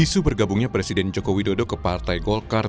isu bergabungnya presiden joko widodo ke partai golkar